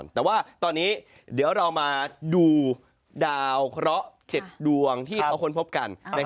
แต่ว่าตอนนี้เดี๋ยวเรามาดูดาวเคราะห์๗ดวงที่เขาค้นพบกัน